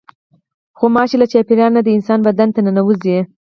غوماشې له چاپېریاله نه د انسان بدن ته ننوځي.